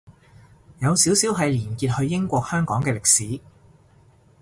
有少少係連結去英國香港嘅歷史